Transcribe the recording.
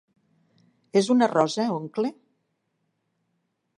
És una rosa, oncle?